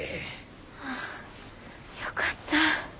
ああよかった。